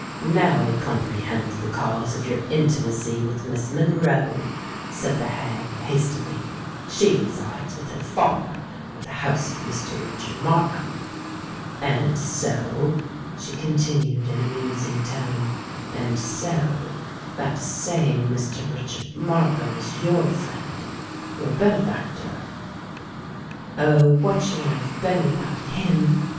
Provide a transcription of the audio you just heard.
now I comprehend the cause of your intimacy with Miss Monroe," said the hag, hastily: "she resides with her father at the house of Mr. Richard Markham. And so," she continued in a musing tone,—"and so that same Mr. Richard Markham is your friend—your benefactor?" "Oh! what should I have been without him?"